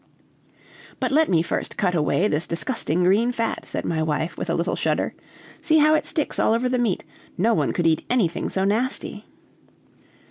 "But let me first cut away this disgusting green fat," said my wife, with a little shudder. "See how it sticks all over the meat. No one could eat anything so nasty."